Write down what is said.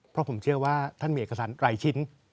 เพราะผมเชื่อว่าท่านมีเอกสารหลายชิ้น